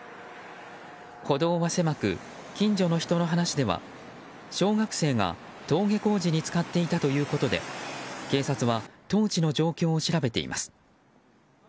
歩道は狭く、近所の人の話では小学生が登下校時に使っていたということで警察は当時の状況を調べています。